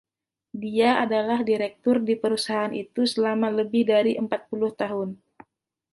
Dia adalah direktur di perusahaan itu selama lebih dari empat puluh tahun.